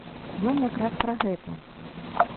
Ён якраз пра гэта.